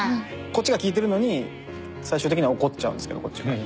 こっちが聞いてるのに最終的には怒っちゃうんですけどこっちも。